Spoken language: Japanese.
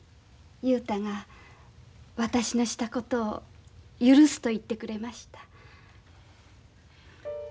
雄太が私のしたことを許すと言ってくれました。